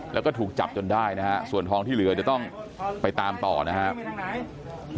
แล้วก็ถูกจับจนได้นะฮะส่วนทองที่เหลือเดี๋ยวต้องไปตามต่อนะครับ